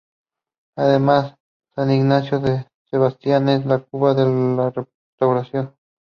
Además San Ignacio de Sabaneta es la Cuna de la Restauración.